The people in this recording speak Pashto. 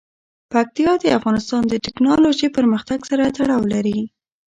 پکتیا د افغانستان د تکنالوژۍ پرمختګ سره تړاو لري.